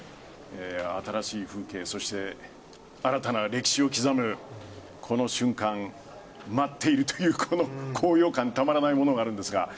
新しい風景そして新たな歴史を刻むこの瞬間を待っているというこの昂揚感たまらないものがあるんですが。